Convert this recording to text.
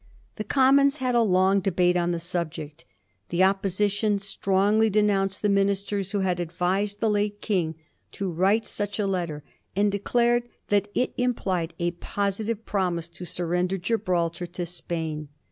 The Commons had a long debate on the subject. The Opposition strongly denounced the ministers who had advised the late King to write such a letter, and declared that it implied a positive promise to surrender Gibraltar to Spain.